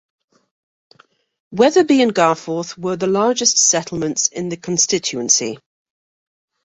Wetherby and Garforth were the largest settlements in the constituency.